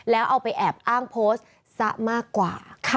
แล้วเอาไปแอบอ้างโพสต์ซะมากกว่า